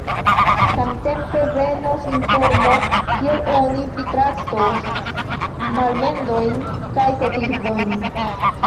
Samtempe venos informo, kiel oni pritraktos malmendojn kaj kotizojn.